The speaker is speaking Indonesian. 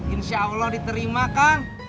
insya allah diterima kang